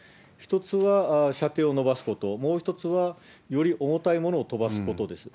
１つは、射程を伸ばすこと、もう一つは、より重たいものを飛ばすことです。